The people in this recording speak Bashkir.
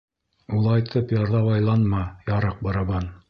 — Улайтып ярҙауайланма, ярыҡ барабан.